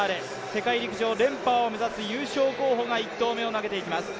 世界陸上連覇を目指す優勝候補が１投目を投げます。